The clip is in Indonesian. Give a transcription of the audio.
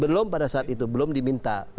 belum pada saat itu belum diminta